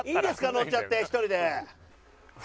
乗っちゃって１人で。